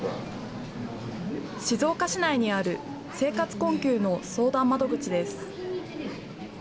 静岡市内にある、生活困窮の相談窓口です。